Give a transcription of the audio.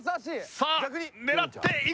さあ狙っていくぞ！